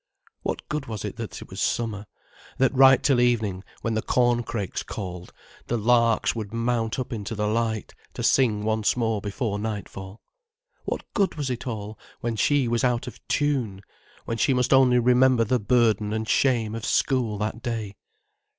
What good was it that it was summer, that right till evening, when the corncrakes called, the larks would mount up into the light, to sing once more before nightfall. What good was it all, when she was out of tune, when she must only remember the burden and shame of school that day.